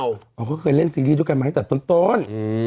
เขาเคยเล่นซีรีส์ดูกันไหมแต่ต้น